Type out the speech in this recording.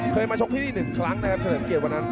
เคยมาชกที่นี่๑ครั้งนะครับเฉลิมเกียรวันนั้น